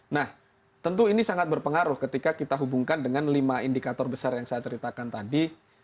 nah tentu ini sangat berpengaruh ketika kita hubungkan dengan lima indikator besar yang saya ceritakan tadi